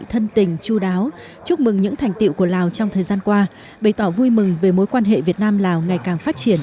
thân tình chú đáo chúc mừng những thành tiệu của lào trong thời gian qua bày tỏ vui mừng về mối quan hệ việt nam lào ngày càng phát triển